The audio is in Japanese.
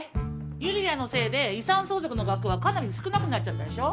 ユリアのせいで遺産相続の額はかなり少なくなっちゃったでしょ？